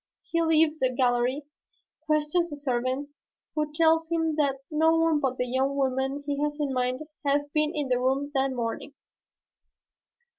He leaves the gallery, questions a servant, who tells him that no one but the young woman he has in mind has been in the room that morning."